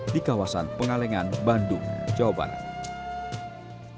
di kawasan pengalengan bandung jawa barat